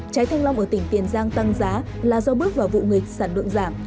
trái thanh long ở tỉnh tiền giang tăng giá là do bước vào vụ nghịch sản lượng giảm